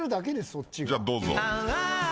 じゃあどうぞ。